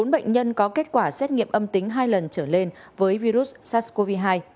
bốn bệnh nhân có kết quả xét nghiệm âm tính hai lần trở lên với virus sars cov hai